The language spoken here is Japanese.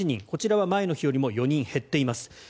こちらは前の日より４人減っています。